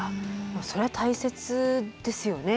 それは大切ですよね。